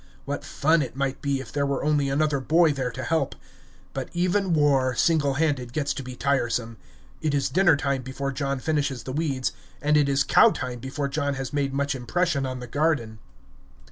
What fun it might be if there were only another boy there to help. But even war, single handed, gets to be tiresome. It is dinner time before John finishes the weeds, and it is cow time before John has made much impression on the garden.